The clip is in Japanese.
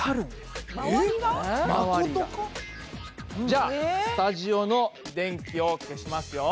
じゃあスタジオの電気を消しますよ！